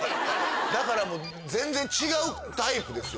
だからもう全然違うタイプですよ